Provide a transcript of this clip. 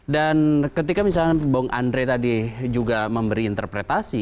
dan ketika misalnya bang andre tadi juga memberi interpretasi